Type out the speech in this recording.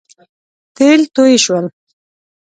تېل توی شول